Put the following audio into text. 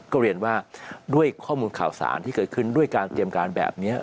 ก็เรียนว่าด้วยข้อมูลข่าวสารที่เกิดขึ้นด้วยการเตรียมการแบบนี้